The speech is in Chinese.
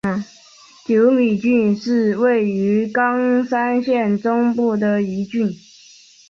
久米郡是位于冈山县中部的一郡。